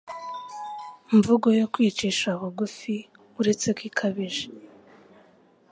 mvugo yo kwicisha bugufi uretse ko ikabije